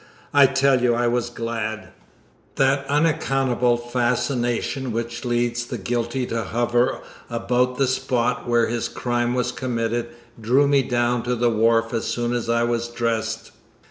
I tell you I was glad! That unaccountable fascination which leads the guilty to hover about the spot where his crime was committed drew me down to the wharf as soon as I was dressed.